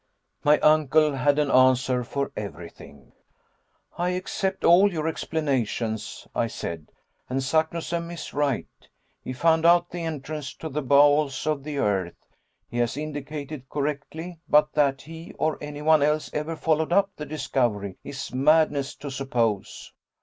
My uncle had an answer for everything. "I accept all your explanations" I said, "and Saknussemm is right. He found out the entrance to the bowels of the earth, he has indicated correctly, but that he or anyone else ever followed up the discovery is madness to suppose."